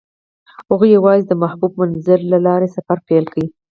هغوی یوځای د محبوب منظر له لارې سفر پیل کړ.